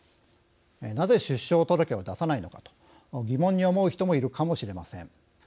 なぜ出生届を出さないのかと疑問に思う人もいるかもしれません。